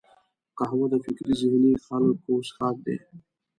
قهوه د فکري ذهیني خلکو څښاک دی